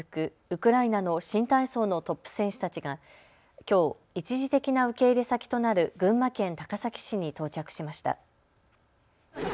ウクライナの新体操のトップ選手たちがきょう一時的な受け入れ先となる群馬県高崎市に到着しました。